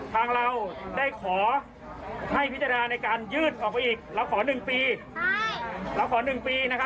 ทางเราได้ขอให้พิจารณาในการยืดออกไปอีก